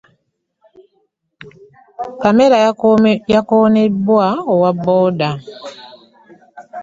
Pamela yakonebwa owa booda.